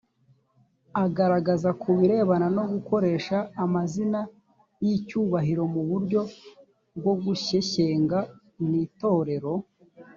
agaragaza ku birebana no gukoresha amazina y icyubahiro mu buryo bwo gushyeshyenga mu itorero